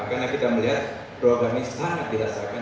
karena kita melihat program ini sangat dirasakan